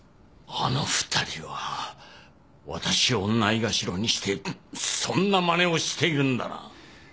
あの２人は私をないがしろにしてそんな真似をしているんだな。